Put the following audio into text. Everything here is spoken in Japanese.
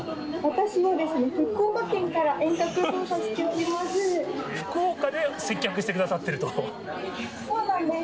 私は福岡県から遠隔操作しております。